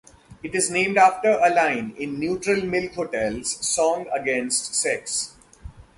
It is named after a line in Neutral Milk Hotel's "Song Against Sex".